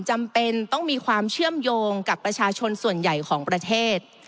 จำเป็นต้องมีความเชื่อมโยงกับประชาชนส่วนใหญ่ของประเทศ